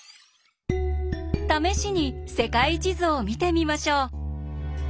試しに世界地図を見てみましょう。